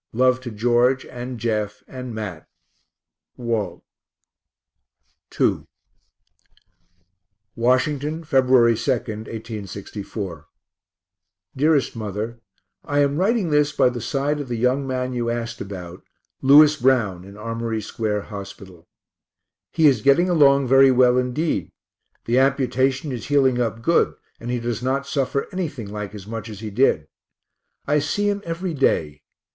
Love to George and Jeff and Mat. WALT. II Washington, Feb. 2, 1864. DEAREST MOTHER I am writing this by the side of the young man you asked about, Lewis Brown in Armory square hospital. He is getting along very well indeed the amputation is healing up good, and he does not suffer anything like as much as he did. I see him every day.